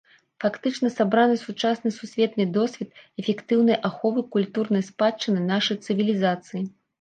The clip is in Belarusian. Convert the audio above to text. Фактычна сабраны сучасны сусветны досвед эфектыўнай аховы культурнай спадчыны нашай цывілізацыі.